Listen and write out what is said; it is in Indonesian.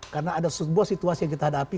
karena ada sebuah situasi yang kita hadapi